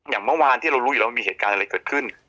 อย่างเมื่อวานที่เรารู้อยู่แล้วมีเหตุการณ์อะไรเกิดขึ้น